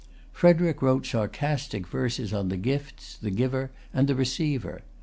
Frederic wrote sarcastic verses on the gifts, the giver, and the receiver.